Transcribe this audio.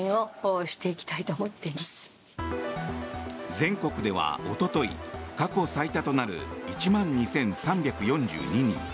全国ではおととい過去最多となる１万２３４２人。